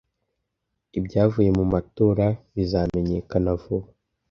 Ibyavuye mu matora bizamenyekana vuba.